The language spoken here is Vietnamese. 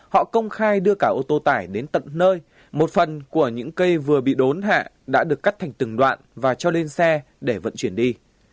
họ công khai đưa cả ô tô tải đến tận nơi một phần của những cây vừa bị đốn hạ đã được cắt thành từng đoạn và cho lên xe để vận chuyển đi